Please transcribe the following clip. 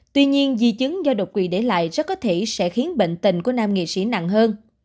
tuy nhiên di chứng do độc quỷ để lại rất có thể sẽ khiến bệnh tình của nam nghệ sĩ nặng hơn